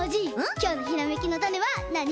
きょうのひらめきのタネはなに？